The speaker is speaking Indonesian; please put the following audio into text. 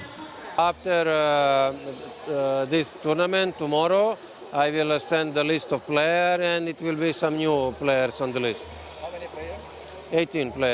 setelah pertandingan ini besok saya akan mengirim listanya dan ada beberapa pemain baru di listanya